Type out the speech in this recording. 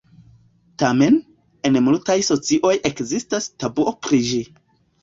Tamen, en multaj socioj ekzistas tabuo pri ĝi.